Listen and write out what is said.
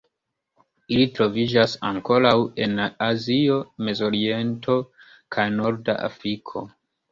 Ili troviĝas ankoraŭ en Azio, Mezoriento kaj Norda Afriko.